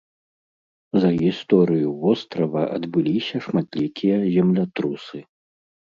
За гісторыю вострава адбыліся шматлікія землятрусы.